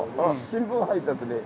新聞配達で。